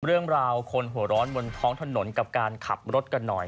เรื่องราวคนหัวร้อนบนท้องถนนกับการขับรถกันหน่อย